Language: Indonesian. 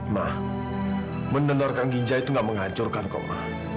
ma menurut kamila itu gak menghancurkan ma